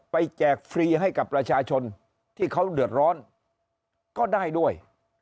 แจกฟรีให้กับประชาชนที่เขาเดือดร้อนก็ได้ด้วย